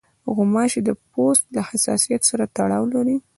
غوماشې د پوست له حساسیت سره تړاو لري.